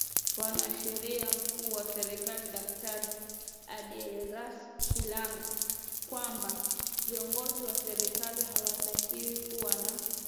Mwanasheria Mkuu wa Serikali Daktari Adelardus Kilangi kwamba viongozi wa serikali hawatakiwi kuwa na